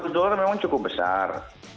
lima ratus dolar memang cukup besar